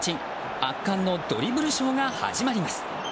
圧巻のドリブルショーが始まります。